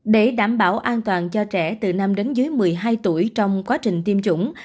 để đảm bảo an toàn cho trẻ từ năm một mươi hai tuổi trong quá trình tiêm chủng